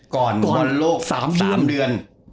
ก่อนวนโลก๓เดือน